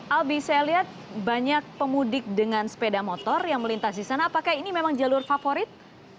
albi saya lihat banyak pemudik dengan sepeda motor yang melintas di sana apakah ini memang jalur favorit